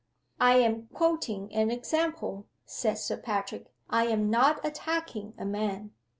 "I am quoting an example," said Sir Patrick. "I am not attacking a man."